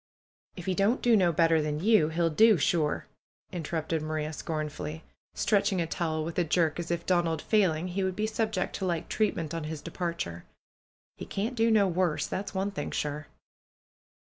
"If he don't do no better than you, he'll do sure !" interrupted Maria, scornfully, stretching a towel with a jerk as if, Donald failing, he would be subjected to like treatment on his departure. "He can't do no worse. That's one thing sure."